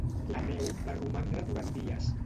La neu va romandre durant dies.